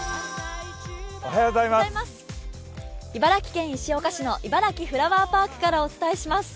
茨城県石岡市のいばらきフラワーパークからお伝えします。